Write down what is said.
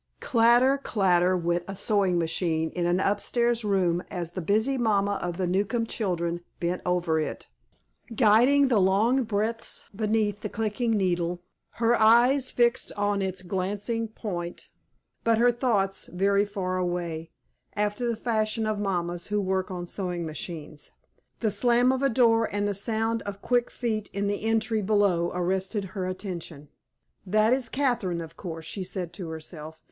Clatter, clatter, went a sewing machine in an upstairs room, as the busy mamma of the Newcombe children bent over it, guiding the long breadths beneath the clicking needle, her eyes fixed on its glancing point, but her thoughts very far away, after the fashion of mammas who work on sewing machines. The slam of a door, and the sound of quick feet in the entry below, arrested her attention. "That is Catherine, of course," she said to herself.